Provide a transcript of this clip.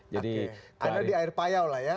jadi karena di air payau lah ya